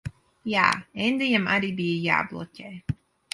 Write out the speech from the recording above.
Jā. Endijam arī bija jābloķē.